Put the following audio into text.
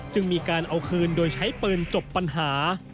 จึงมีการเอาคืนโดยใช้ปืนจบปัญหา